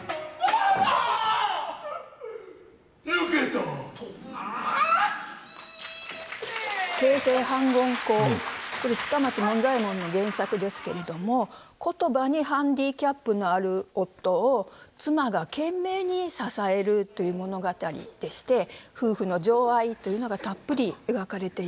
と呆れ「傾城反魂香」これ近松門左衛門の原作ですけれども言葉にハンディキャップのある夫を妻が懸命に支えるという物語でして夫婦の情愛というのがたっぷり描かれています。